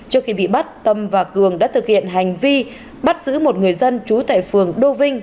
trước khi bị bắt tâm và cường đã thực hiện hành vi bắt giữ một người dân trú tại phường đô vinh